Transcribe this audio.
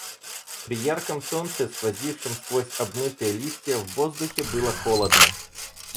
При ярком солнце, сквозившем сквозь обмытые листья, в воздухе было холодно.